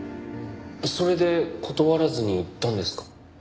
それで断らずに行ったんですか？